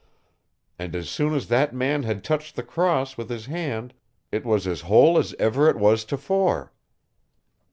And as soon as that man had touched the Cross with his hand it was as whole as ever it was tofore.